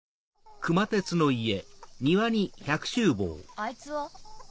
あいつは？